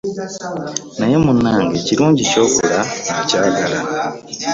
Naye munnange ekirungi ky'akola akyagala.